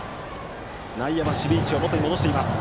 内野は守備位置を元に戻しました。